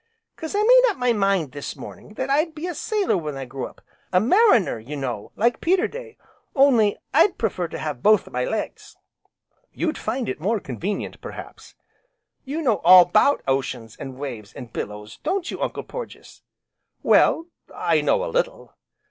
"'Cause I made up my mind, this morning, that I'd be a sailor when I grow up, a mariner, you know, like Peterday, only I'd prefer to have both my legs." "You'd find it more convenient, perhaps." "You know all 'bout oceans, an' waves, and billows, don't you Uncle Porges?" "Well, I know a little."